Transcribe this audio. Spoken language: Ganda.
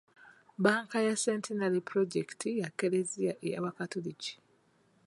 Bbanka ya Centenary pulojekiti ya kereziya ey'abakatoliki.